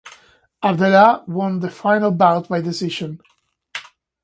Abdellah won the final bout by decision.